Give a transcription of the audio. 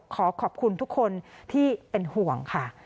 ขอขอบคุณทุกคนที่เป็นห่วงค่ะ